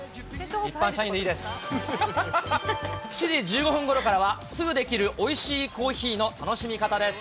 ７時１５分ごろからは、すぐできるおいしいコーヒーの楽しみ方です。